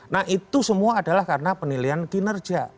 nah itu semua adalah karena penilaian kinerja